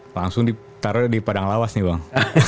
langsung ditaruh di padang lawas nih bang